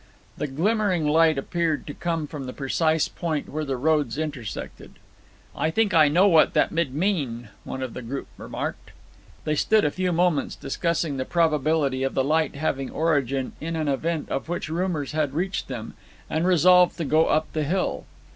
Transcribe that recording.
The glimmering light appeared to come from the precise point where the roads intersected. 'I think I know what that mid mean!' one of the group remarked. They stood a few moments, discussing the probability of the light having origin in an event of which rumours had reached them, and resolved to go up the hill.